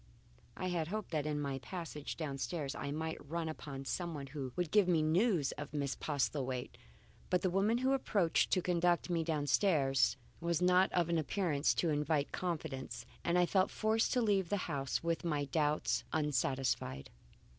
I had hoped that in my passage downstairs I might run upon someone who would give me news of Miss Postlethwaite, but the woman who approached to conduct me downstairs was not of an appearance to invite confidence, and I felt forced to leave the house with my doubts unsatisfied.